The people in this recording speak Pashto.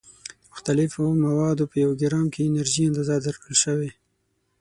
د مختلفو موادو په یو ګرام کې انرژي اندازه درکړل شوې.